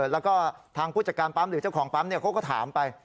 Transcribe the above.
แล้วก็ทางผู้จัดการปั๊มหรือเจ้าของปั๊มเขาก็ถามไป